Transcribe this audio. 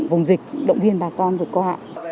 vùng dịch động viên bà con vượt qua